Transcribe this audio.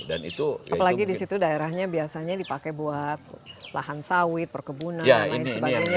apalagi di situ daerahnya biasanya dipakai buat lahan sawit perkebunan dan lain sebagainya